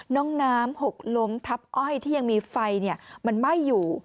น้องน้ำหกล้มทับอ้อยที่ยังมีไฟมันไหม้อยู่